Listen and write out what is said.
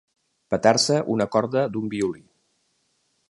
Petar-se una corda d'un violí.